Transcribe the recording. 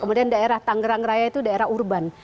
kemudian daerah tangerang raya itu daerah urban